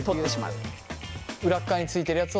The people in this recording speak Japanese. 裏っ側に付いてるやつを？